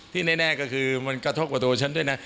แน่ก็คือมันกระทบกับตัวฉันด้วยนะ